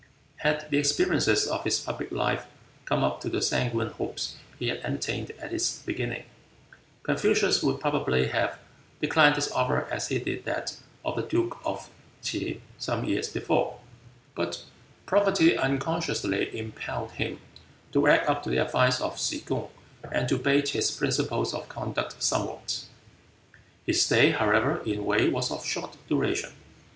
Had the experiences of his public life come up to the sanguine hopes he had entertained at its beginning, Confucius would probably have declined this offer as he did that of the Duke of T'se some years before, but poverty unconsciously impelled him to act up to the advice of Tsze kung and to bate his principles of conduct somewhat. His stay, however, in Wei was of short duration.